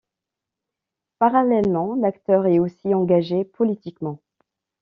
Parallèlement, l'acteur est aussi engagé politiquement.